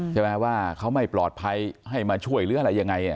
ใช่ไหมว่าเขาไม่ปลอดภัยให้มาช่วยหรืออะไรยังไง